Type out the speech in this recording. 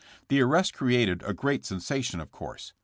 The arrest created a great sen sation, of course.